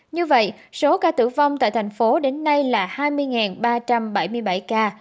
như vậy số ca tử vong tại thành phố đến nay là hai mươi ba trăm bảy mươi bảy ca